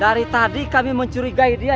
dari tadi kami mencurigai dia